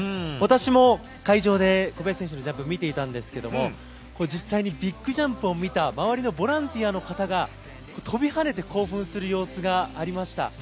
私も会場で小林選手のジャンプ見ていたんですけども、実際にビッグジャンプを見た周りのボランティアの方が、跳びはねて興奮する様子がありました。